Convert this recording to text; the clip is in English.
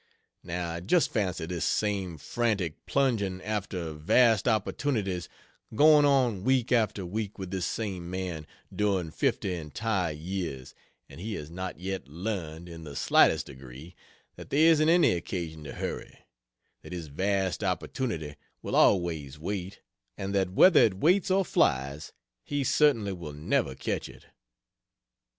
Now just fancy this same frantic plunging after vast opportunities, going on week after week with this same man, during fifty entire years, and he has not yet learned, in the slightest degree, that there isn't any occasion to hurry; that his vast opportunity will always wait; and that whether it waits or flies, he certainly will never catch it.